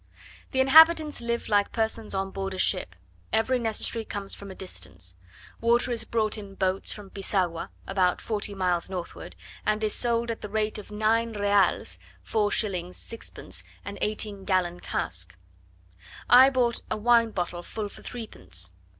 The inhabitants live like persons on board a ship: every necessary comes from a distance: water is brought in boats from Pisagua, about forty miles northward, and is sold at the rate of nine reals (4s. 6d.) an eighteen gallon cask: I bought a wine bottle full for threepence.